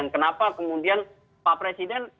kenapa kemudian pak presiden